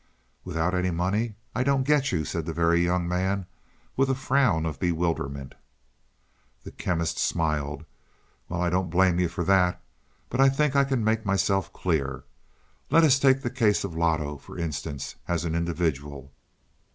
"Without any money? I don't get you," said the Very Young Man with a frown of bewilderment. The Chemist smiled. "Well, I don't blame you for that. But I think I can make myself clear. Let us take the case of Loto, for instance, as an individual.